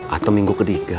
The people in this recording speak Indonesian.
atem minggu ketiga